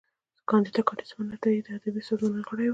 کانديد اکاډميسن عطايي د ادبي سازمانونو غړی و.